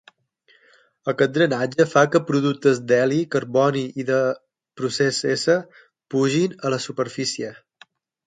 Aquest drenatge fa que productes d'heli, carboni i de procés-S pugin a la superfície.